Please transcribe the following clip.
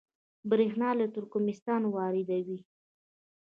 بریښنا له ترکمنستان واردوي